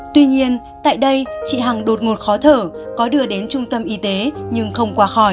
tuy nhiên tại đây chị hằng đột ngột khó thở có đưa đến trung tâm y tế nhưng không qua khỏi